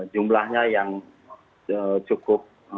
jumlahnya yang cukup